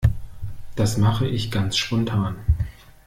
Das mache ich ganz spontan.